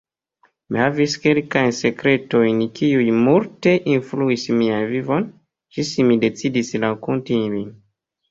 Mi havis kelkajn sekretojn kiuj multe influis mian vivon, ĝis mi decidis rakonti ilin.